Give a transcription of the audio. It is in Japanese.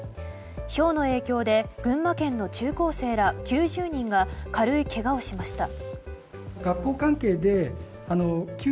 ひょうの影響で群馬県の中高生ら９０人が軽いけがをしました。